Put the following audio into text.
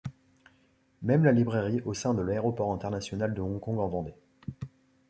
Même la librairie au sein de l’Aéroport international de Hong Kong en vendait.